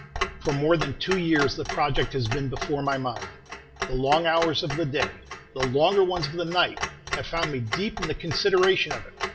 For more than two years the project has been before my mind. The long hours of the day, the longer ones of the night, have found me deep in the consideration of it.